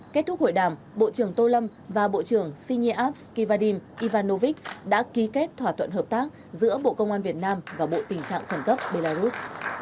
kết thúc hội đàm bộ trưởng tô lâm và bộ trưởng sineyav kivadin ivanovic đã ký kết thỏa thuận hợp tác giữa bộ công an việt nam và bộ tình trạng khẩn cấp belarus